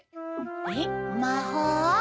えっまほう？